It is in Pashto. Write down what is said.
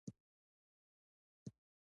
کچړي د وریجو او ماشو ګډ خواړه دي.